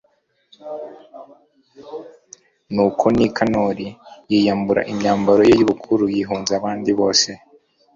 nuko nikanori yiyambura imyambaro ye y'ubukuru, yihunza abandi bose